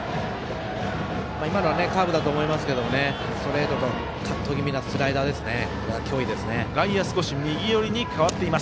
今のはカーブだと思いますけどストレートとカット気味のスライダー脅威ですね。